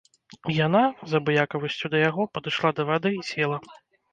Яна, з абыякавасцю да яго, падышла да вады і села.